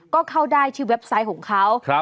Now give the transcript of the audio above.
ก็เข้าได้ที่เว็บไซต์ของเขา